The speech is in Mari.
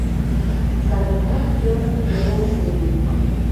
Савырнат йыр орол семын